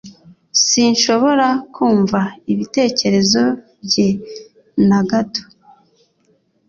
Sinshobora kumva ibitekerezo bye na gato